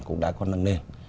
cũng đã có nâng lên